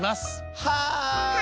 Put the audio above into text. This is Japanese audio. はい！